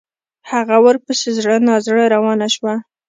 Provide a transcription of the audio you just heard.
هغه ورپسې زړه نا زړه روانه شوه.